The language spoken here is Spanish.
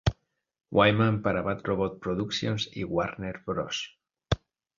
Wyman para Bad Robot Productions y Warner Bros.